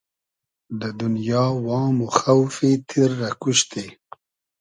دۂ دونیا وام و خۆفی تیر رۂ کوشتی